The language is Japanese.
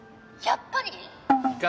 やっぱり？